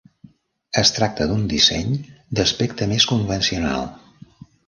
Es tracta d'un disseny d'aspecte més convencional.